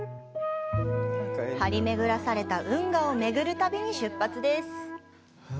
張りめぐらされた運河をめぐる旅に出発です。